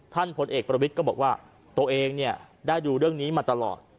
พลเอกประวิทย์ก็บอกว่าตัวเองเนี่ยได้ดูเรื่องนี้มาตลอด